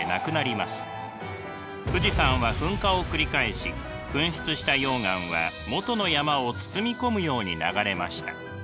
富士山は噴火を繰り返し噴出した溶岩は元の山を包み込むように流れました。